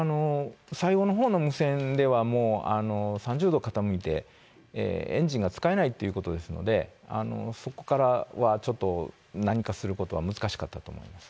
最後のほうの無線では、もう３０度傾いて、エンジンが使えないということですので、そこからはちょっと、何かすることは難しかったと思います。